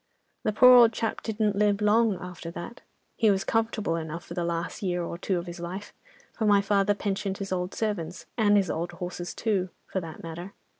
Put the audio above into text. "The poor old chap didn't live long after that. He was comfortable enough for the last year or two of his life, for my father pensioned his old servants, and his old horses too, for that matter.